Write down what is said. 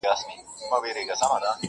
له سالو سره به څوك ستايي اورونه.!